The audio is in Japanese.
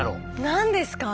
何ですか？